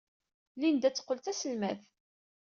Linda ad teqqel d taselmadt.